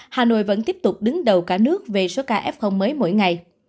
hà nội vẫn tiếp tục đứng đầu cả nước về số ca f mới mỗi ngày